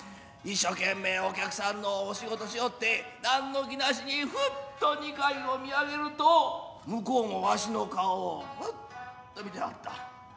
一生懸命お客さんのお仕事しよってなんの気なしにふっと二階を見上げると向うもわしの顔をふっと見てはった。